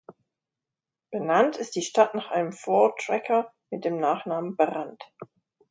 Benannt ist die Stadt nach einem Voortrekker mit dem Nachnamen Brand.